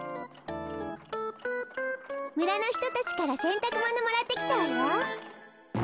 むらのひとたちからせんたくものもらってきたわよ。